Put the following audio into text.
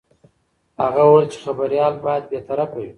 هغه وویل چې خبریال باید بې طرفه وي.